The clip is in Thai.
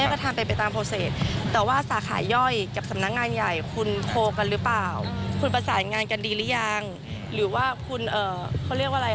อืมอืมอืมอืมอืมอืมอืมอืม